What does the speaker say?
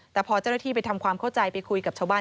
แต่พอเจ้าหน้าที่ไปทำความเข้าใจไปคุยกับชาวบ้าน